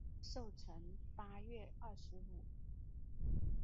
寿辰八月二十五。